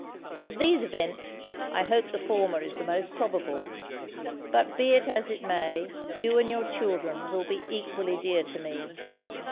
Of these events, I hope the former is the most probable: but be it as it may, you and your children will be equally dear to me.